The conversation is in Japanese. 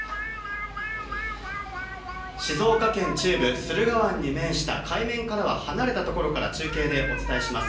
静岡県中部駿河湾に面した海面からは離れたところから中継でお伝えします。